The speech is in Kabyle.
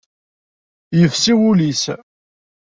Yefsi wul-is.